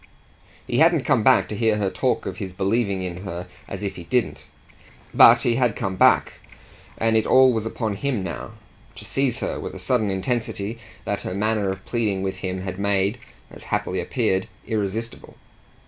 He hadn't come back to hear her talk of his believing in her as if he didn't; but he had come back and it all was upon him now to seize her with a sudden intensity that her manner of pleading with him had made, as happily appeared, irresistible.